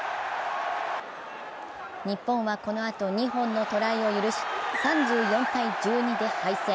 日本はこのあと２本のトライを許し３４−１２で敗戦。